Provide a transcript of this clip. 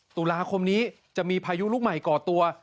ตุลาคมนี้จะมีพายุลูกใหม่ก่อตัว